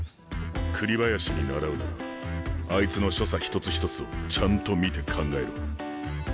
栗林にならうならあいつの所作一つ一つをちゃんと見て考えろ。